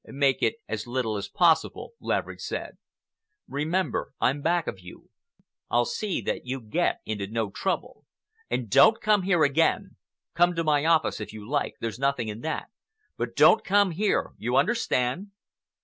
"Make it as little as possible," Laverick said. "Remember, I'm back of you, I'll see that you get into no trouble. And don't come here again. Come to my office, if you like—there's nothing in that—but don't come here, you understand?"